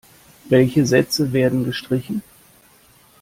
Welche Sätze werden gestrichen?